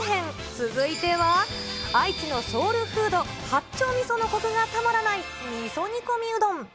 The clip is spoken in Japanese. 続いては、愛知のソウルフード、八丁味噌のこくがたまらない味噌煮込みうどん。